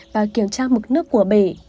và kiểm tra mực nước của bể